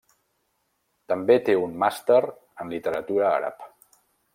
També té un màster en Literatura àrab.